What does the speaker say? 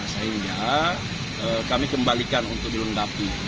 sehingga kami kembalikan untuk dilengkapi